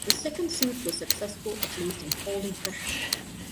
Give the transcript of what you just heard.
The second suit was successful, at least in holding pressure.